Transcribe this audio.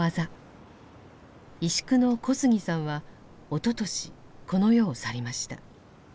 石工の小杉さんはおととしこの世を去りました。